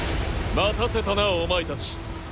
待たせたなお前たち。